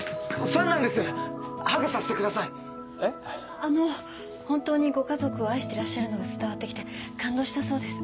あの本当にご家族を愛してらっしゃるのが伝わって来て感動したそうです。